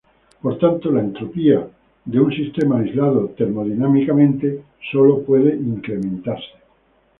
Por tanto, la entropía de un sistema aislado termodinámicamente solo puede incrementarse.